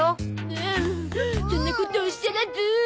ううそんなことおっしゃらず。